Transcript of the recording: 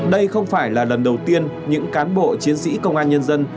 đây không phải là lần đầu tiên những cán bộ chiến sĩ công an nhân dân